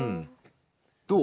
どう？